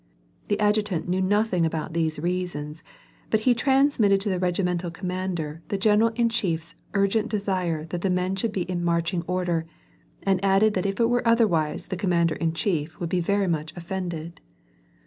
The adjutant knew nothing about those* reasons, but he transmitted to the regimental commander the general in chief's urgent desire that the men should be in marching order, and added that if it were otherwise the commander in chief would be very much offended.